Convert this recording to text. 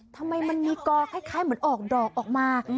ทำไมมันมีกอคล้ายเหมือนออกดอกออกมา